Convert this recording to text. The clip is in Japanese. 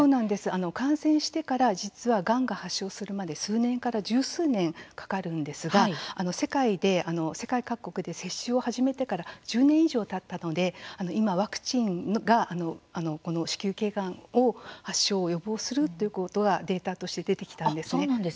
感染してから実は、がんが発症するまで数年から十数年かかるんですが世界各国で接種を始めてから１０年以上たったので今、ワクチンが子宮頸がんを発症を予防するということがデータとして出てきたんです。